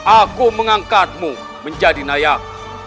aku mengangkatmu menjadi nayak